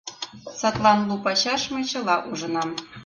Садлан лу пачаш мый чыла ужынам.